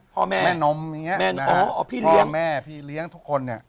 พ่อแม่แม่นมแม่นมพี่เลี้ยงพ่อแม่พี่เลี้ยงทุกคนเนี้ย